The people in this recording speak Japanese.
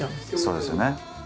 そうですよね。